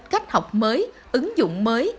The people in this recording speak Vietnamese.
cách học mới ứng dụng mới